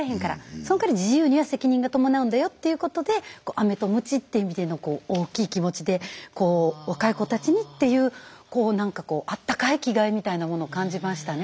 そのかわり自由には責任が伴うんだよっていうことでアメとムチっていう意味でのこう大きい気持ちでこう若い子たちにっていうこう何かこうあったかい気概みたいなものを感じましたね